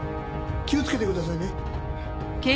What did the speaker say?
気をつけてくださいね。